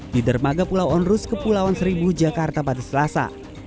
di dermaga pulau onrus kepulauan seribu jakarta pada selasa